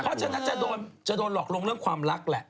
ก็ใช่ก็จะโดนหลอกลงเรื่องความรักแหละ